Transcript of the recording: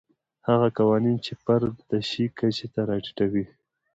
هغه قوانین چې فرد د شي کچې ته راټیټوي.